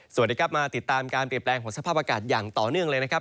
สวัสดีครับมาติดตามการเปลี่ยนแปลงของสภาพอากาศอย่างต่อเนื่องเลยนะครับ